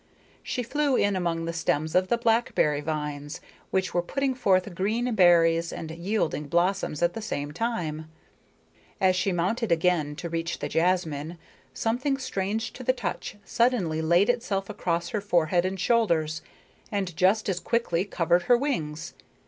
She flew in among the stems of the blackberry vines, which were putting forth green berries and yielding blossoms at the same time. As she mounted again to reach the jasmine, something strange to the touch suddenly laid itself across her forehead and shoulders, and just as quickly covered her wings.